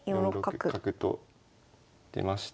４六角と出まして。